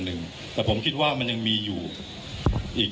คุณผู้ชมไปฟังผู้ว่ารัฐกาลจังหวัดเชียงรายแถลงตอนนี้ค่ะ